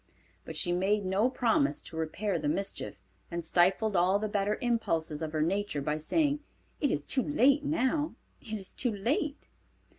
But she made no promise to repair the mischief, and stifled all the better impulses of her nature by saying, "It is too late now: it is too late."